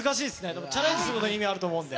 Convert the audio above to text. でも、チャレンジすることに意味はあると思うので。